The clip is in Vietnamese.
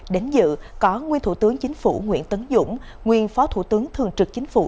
đến dự có nguyên thủ tướng chính phủ nguyễn tấn dũng nguyên phó thủ tướng thường trực chính phủ